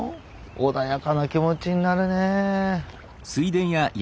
穏やかな気持ちになるね。